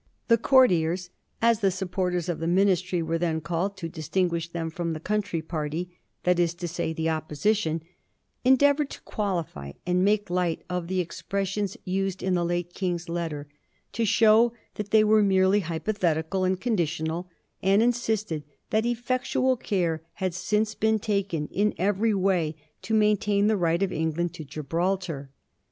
The courtiers, as the supporters of the Ministry were then called, to distinguish them from the country party — that is to say, the Opposition — endeavoured to qualify and make light of the expres sions used in the late King's letter, to show that they were merely hypothetical and conditional, and insisted that effectual care had since been taken in every way to maintain the right of England to Gibraltar.